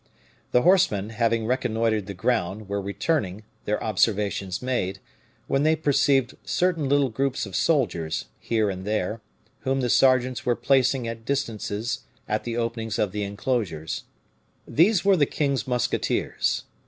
The horsemen, having reconnoitered the ground, were returning, their observations made, when they perceived certain little groups of soldiers, here and there, whom the sergeants were placing at distances at the openings of the inclosures. These were the king's musketeers.